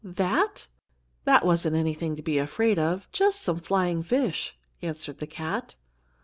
"That? That wasn't anything to be afraid of just some flying fish," answered the cat.